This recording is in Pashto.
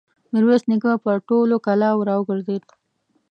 ميرويس نيکه پر ټولو کلاوو را وګرځېد.